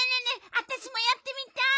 あたしもやってみたい！